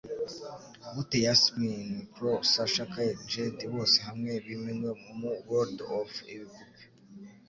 Gute Yasmin, Chloe, Sasha Kandi Jade Bose hamwe bimenywe Mu World Of ibipupe?